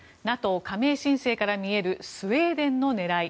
ＮＡＴＯ加盟申請から見えるスウェーデンの狙い。